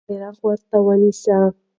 بیرغ ورته ونیسه.